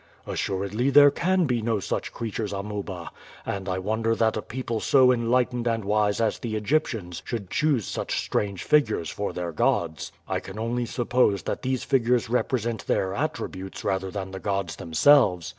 "Assuredly there can be no such creatures, Amuba; and I wonder that a people so enlightened and wise as the Egyptians should choose such strange figures for their gods. I can only suppose that these figures represent their attributes rather than the gods themselves.